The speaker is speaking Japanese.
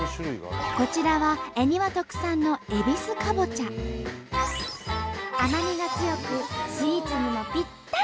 こちらは恵庭特産の甘みが強くスイーツにもぴったり！